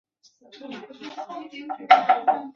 加朗特。